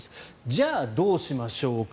じゃあ、どうしましょうか。